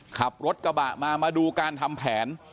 ขับรถกระบะมามาดูการทำแผน